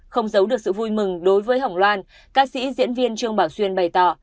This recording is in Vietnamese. không giấu được sự vui mừng đối với hồng loan ca sĩ diễn viên trương bảo xuyên bày tỏ